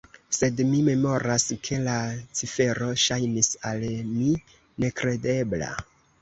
Sed mi memoras, ke la cifero ŝajnis al mi nekredebla.